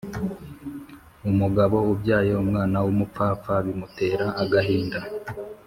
Umugabo ubyaye umwana w’umupfapfa bimutera agahinda